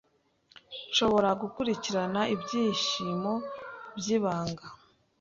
nshobora gukurikirana Ibyishimo byibanga